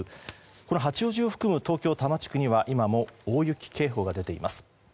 八王子を含む東京多摩地区には今も大雪警報が出ています。